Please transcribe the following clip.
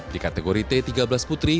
di kategori t tiga belas putri